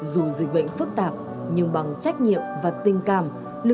dù dịch bệnh phức tạp nhưng bằng trách nhiệm và tình cảm